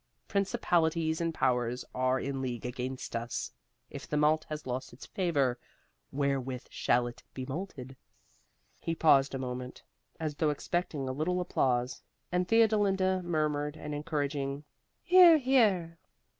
Principalities and powers are in league against us. If the malt has lost its favor, wherewith shall it be malted?" He paused a moment, as though expecting a little applause, and Theodolinda murmured an encouraging "Here, here."